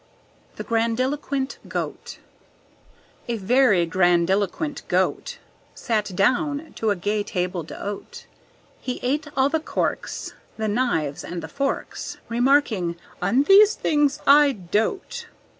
The Grandiloquent Goat A very grandiloquent Goat Sat down to a gay table d'hôte; He ate all the corks, The knives and the forks, Remarking: "On these things I dote."